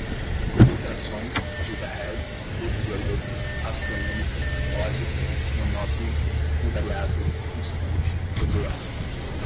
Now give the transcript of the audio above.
ultra-som, gigahertz, ultravioleta, astronômica, órbita, monótono, invariável, constante, regular